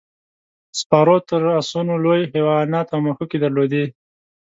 سپارو تر اسونو لوی حیوانات او مښوکې درلودې.